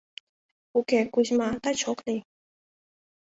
— Уке, Кузьма, таче ок лий.